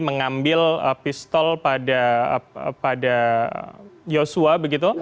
mengambil pistol pada yosua begitu